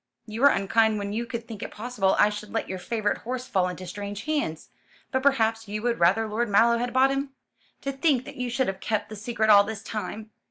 "You were unkind when you could think it possible I should let your favourite horse fall into strange hands. But perhaps you would rather Lord Mallow had bought him?" "To think that you should have kept the secret all this time!"